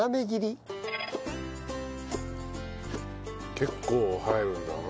結構入るんだな。